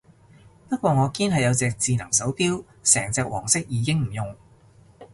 不過我堅係有隻智能手錶，成隻黃色已經唔用